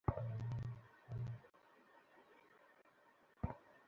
বাসিন্দাদের আশঙ্কা, হামলাকারীদের ধরার অভিযানের নামে আবারও নির্যাতন-নিপীড়নের শিকার হবেন তাঁরা।